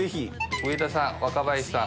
上田さん若林さん